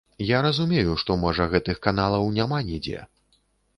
Я разумею, што, можа, гэтых каналаў няма нідзе.